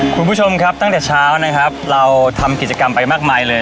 คุณผู้ชมครับตั้งแต่เช้านะครับเราทำกิจกรรมไปมากมายเลย